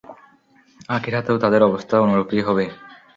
আখিরাতেও তাদের অবস্থা অনুরূপই হবে।